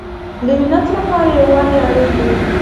د ملت لپاره یووالی اړین دی